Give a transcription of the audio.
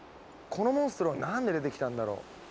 このモンストロはなんで出てきたんだろう？